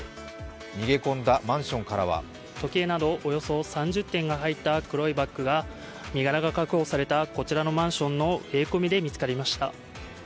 逃げ込んだマンションからは時計などおよそ３０点が入った黒いバッグが身柄が確保されたこちらのマンションの植え込みで見つかりました。